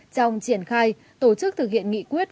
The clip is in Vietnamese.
trong triển khai tổ chức thực hiện nghị quyết